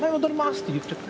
って言っちゃって。